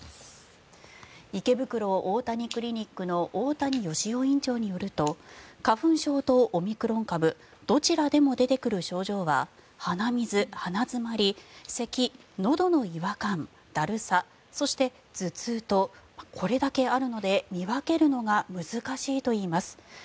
池袋大谷クリニックの大谷義夫院長によると花粉症とオミクロン株どちらでも出てくる症状は鼻水、鼻詰まり、せきのどの違和感だるさ、そして、頭痛とこれだけあるので見分けるのが難しいといいます。